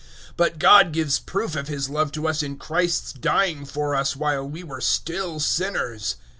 005:008 But God gives proof of His love to us in Christ's dying for us while we were still sinners.